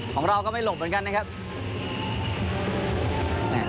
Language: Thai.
ของเราก็ไม่หลบเหมือนกันนะครับ